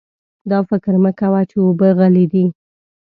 دا فکر مه کوه چې اوبه غلې دي.